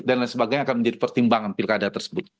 dan lain sebagainya akan menjadi pertimbangan pilkada tersebut